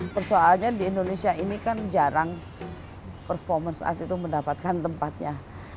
persoalannya di indonesia ini kan jarang performer saat itu mendapatkan tempatnya